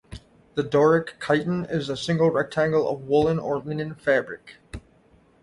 The Doric chiton is a single rectangle of woolen or linen fabric.